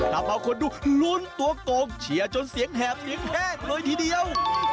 ทำเอาคนดูลุ้นตัวโกงเชียร์จนเสียงแหบเสียงแห้งเลยทีเดียว